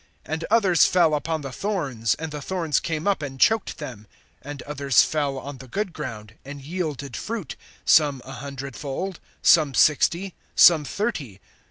(7)And others fell upon the thorns; and the thorns came up, and choked them. (8)And others fell on the good ground, and yielded fruit, some a hundredfold, some sixty, some thirty.